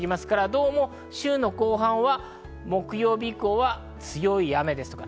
どうも週の後半は木曜日以降は強い雨ですとか